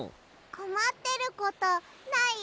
こまってることない？